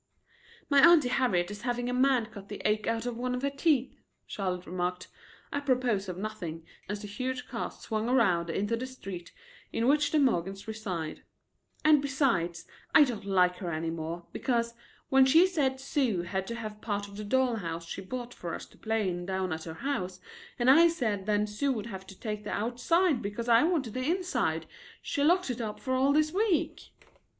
"My Auntie Harriet is having a man cut the ache out of one of her teeth," Charlotte remarked, apropos of nothing, as the huge car swung around into the street in which the Morgans reside. "And, besides, I don't like her any more, because, when she said Sue had to have part of the doll house she bought for us to play in down at her home, and I said then Sue would have to take the outside because I wanted the inside, she locked it up for all this week."